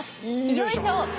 よいしょ！